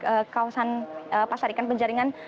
di kawasan pasar ikan penjaringan